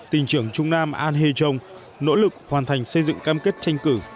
tỉnh trưởng trung nam an hee chong nỗ lực hoàn thành xây dựng cam kết tranh cử